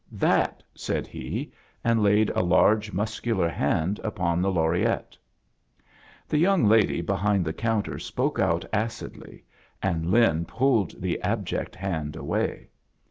"That," said he, and laid a lai^e, muscular hand upon the Laureate. The young lady be hind the counter spoke out acidly, and Lin pulled the abject hand away.